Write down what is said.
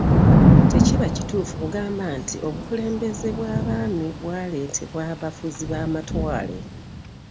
Tekiba kituufu kugamba nti obukulembeze bw'abaami bwaleetebwa bafuzi b'amatwale.